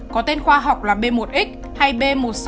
có tên khoa học là b một x hay b một nghìn sáu trăm bốn mươi